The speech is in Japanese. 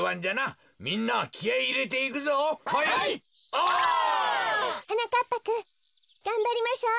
お！はなかっぱくんがんばりましょう。